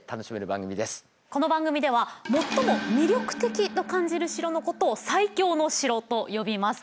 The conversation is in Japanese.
この番組では最も魅力的と感じる城のことを「最強の城」と呼びます。